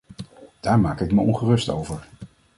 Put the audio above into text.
Daar maak ik me ongerust over.